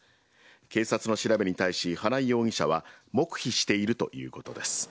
警察の調べに対し、花井容疑者は、黙秘しているということです。